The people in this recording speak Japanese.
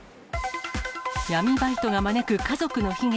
闇バイトが招く家族の悲劇。